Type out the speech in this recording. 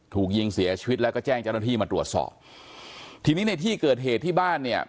ถูกยิงเสียชีวิตแล้วก็แจ้งเจ้าหน้าที่มาตรวจสอบทีนี้ในที่เกิดเหตุที่บ้านเนี่ย